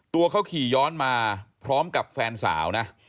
ตัวเขาขี่ย้อนมาพร้อมกับแฟนสาวนะ